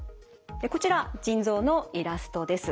でこちら腎臓のイラストです。